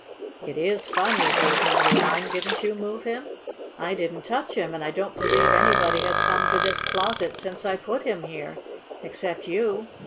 "It IS funny," agreed Madeline. "Didn't you move him?" "I didn't touch him, and I don't believe anybody has come to this closet since I put him here, except you.